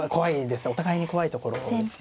お互いに怖いところですね。